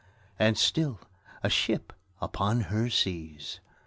And still, a ship upon her seas.